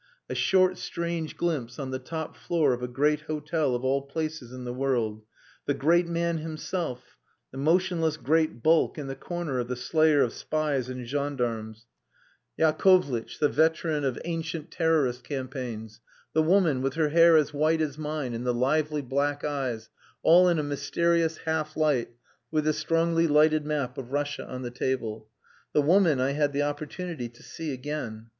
A short, strange glimpse on the top floor of a great hotel of all places in the world: the great man himself; the motionless great bulk in the corner of the slayer of spies and gendarmes; Yakovlitch, the veteran of ancient terrorist campaigns; the woman, with her hair as white as mine and the lively black eyes, all in a mysterious half light, with the strongly lighted map of Russia on the table. The woman I had the opportunity to see again.